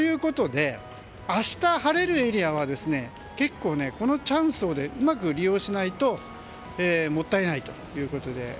明日晴れるエリアは結構このチャンスをうまく利用しないともったいないということです。